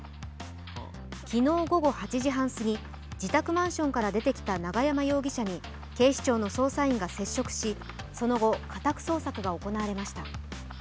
昨日午後８時半すぎ自宅マンションから出てきた永山容疑者に警視庁の捜査員が接触し、その後、家宅捜索が行われました。